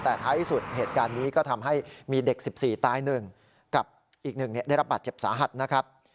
แต่ท้ายสุดเหตุการณ์นี้ก็ทำให้มีเด็กสิบสี่ตายหนึ่งกับอีกหนึ่งเนี้ยได้รับบัตรเจ็บสาหัสนะครับ